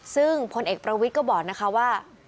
ซึ่งพลเอกประวิทย์ก็บอกนะคะว่า